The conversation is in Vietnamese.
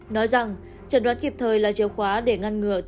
nói rằng trận đoán kịp thời là chiều khóa để ngăn ngư